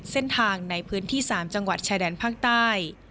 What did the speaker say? เส้นทางในพื้นที่๓จังหวัดชายแดนภาคใต้